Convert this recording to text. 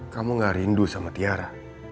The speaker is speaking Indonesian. kamu gak rindu sama tiara